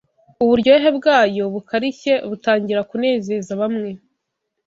Uburyohe bwayo bukarishye butangira kunezeza bamwe;